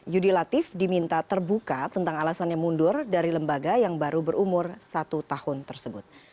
yudi latif diminta terbuka tentang alasannya mundur dari lembaga yang baru berumur satu tahun tersebut